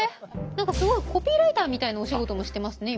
何かすごいコピーライターみたいなお仕事もしてますね今。